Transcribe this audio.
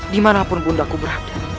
dimanapun bundaku berada